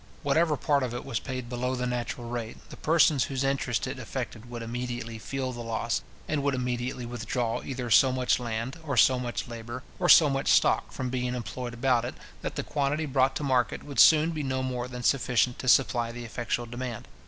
Whatever part of it was paid below the natural rate, the persons whose interest it affected would immediately feel the loss, and would immediately withdraw either so much land or so much labour, or so much stock, from being employed about it, that the quantity brought to market would soon be no more than sufficient to supply the effectual demand.